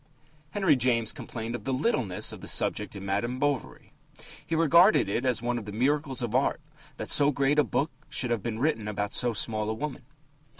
Henry James complained of the littleness of the subject in Madame Bovary. He regarded it as one of the miracles of art that so great a book should have been written about so small a woman.